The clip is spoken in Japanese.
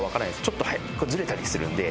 ちょっと速いずれたりするんで。